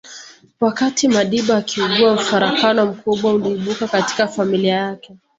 Wakati Madiba akiugua mfarakano mkubwa uliibuka katika familia yake